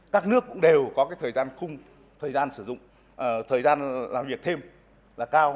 các nước cũng đều có thời gian khung thời gian sử dụng thời gian làm việc thêm là cao